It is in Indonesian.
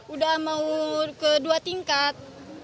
udah mau ke dua tingkat